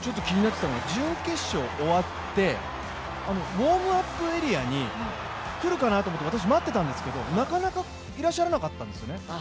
準決勝終わって、ウォームアップエリアに来るかなと思って、私、待ってたんですけど、なかなかいらっしゃらなかったんですよね。